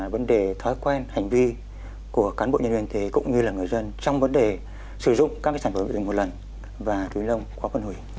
vấn đề thói quen hành vi của cán bộ nhân viên y tế cũng như là người dân trong vấn đề sử dụng các sản phẩm dùng một lần và túi lông khó phân hủy